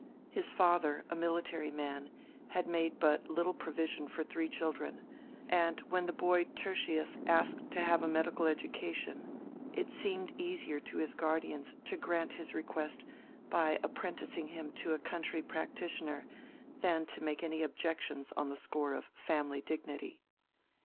His father, a military man, had made but little provision for three children, and when the boy Tertius asked to have a medical education, it seemed easier to his guardians to grant his request by apprenticing him to a country practitioner than to make any objections on the score of family dignity.